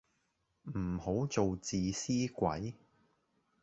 唔好做自私鬼